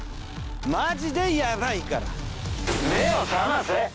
マジでヤバいから！